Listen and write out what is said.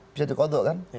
bisa dikodok kan